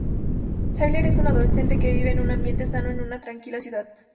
Tyler es un adolescente que vive en un ambiente sano en una tranquila ciudad.